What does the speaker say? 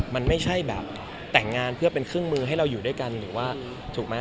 มันไม่ใช่แบบแต่งงานเพื่อเป็นเครื่องมือให้เราอยู่ด้วยกันหรือว่าถูกไหม